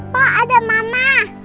pak ada mama